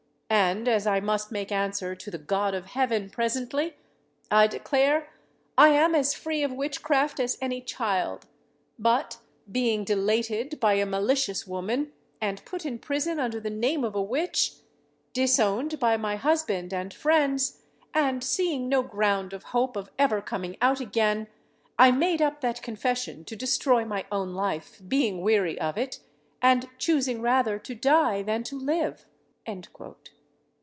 And, as I must make answer to the God of heaven presently, I declare I am as free of witchcraft as any child. But, being delated by a malicious woman, and put in prison under the name of a witch, disowned by my husband and friends, and seeing no ground of hope of ever coming out again, I made up that confession to destroy my own life, being weary of it, and choosing rather to die than to live.'"